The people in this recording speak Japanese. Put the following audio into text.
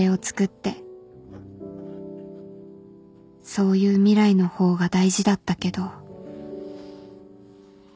そういう未来の方が大事だったけど